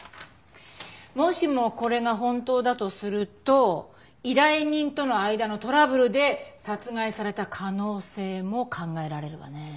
もしもこれが本当だとすると依頼人との間のトラブルで殺害された可能性も考えられるわね。